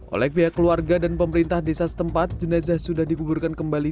oleh pihak keluarga dan pemerintah desa setempat jenazah sudah dikuburkan kembali